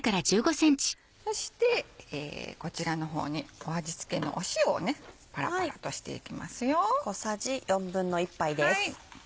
そしてこちらの方に味付けの塩をパラパラとしていきますよ。